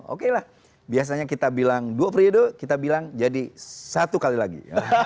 oke lah biasanya kita bilang dua periode kita bilang jadi satu kali lagi